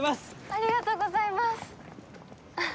ありがとうございます。